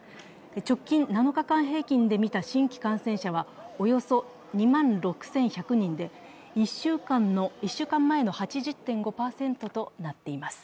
直近７日間平均で見た新規感染者はおよそ２万６１００人で、１週間前の８０．５％となっています。